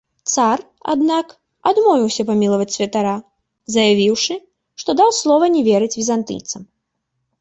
Цар, аднак, адмовіўся памілаваць святара, заявіўшы, што даў слова не верыць візантыйцам.